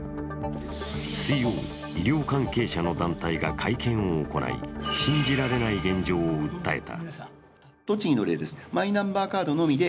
水曜、医療関係者の団体が会見を行い信じられない現状を訴えた。